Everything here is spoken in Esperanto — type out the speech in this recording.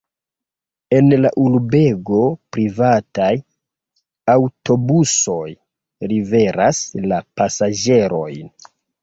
En la urbego privataj aŭtobusoj liveras la pasaĝerojn.